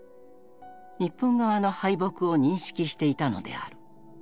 日本側の敗北を認識していたのである。